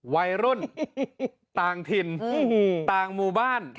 วัยรุ่นต่างถิ่นต่างหมู่บ้าน